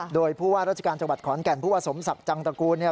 โดยผู้ว่าราชการจังหวัดขอนแก่นผู้ว่าสมฉักจังตะกูง